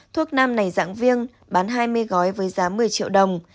thuốc nam này dạng viêng bán hai mươi gói với giá một mươi triệu đồng